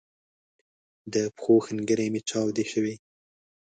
د پښو ښنګري می چاودی شوي